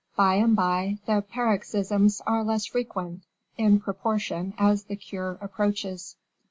By and by, the paroxysms are less frequent, in proportion as the cure approaches.